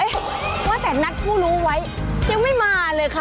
ว่าแต่นัดผู้รู้ไว้ยังไม่มาเลยค่ะ